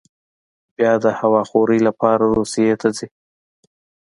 بیا د هوا خورۍ لپاره روسیې ته ځي.